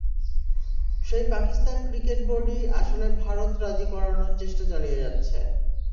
সেই পাকিস্তান ক্রিকেট বোর্ডই আসলে ভারত রাজি করানোর চেষ্টা চালিয়ে যাচ্ছে।